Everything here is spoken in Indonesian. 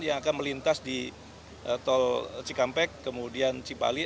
yang akan melintas di tol cikampek kemudian cipali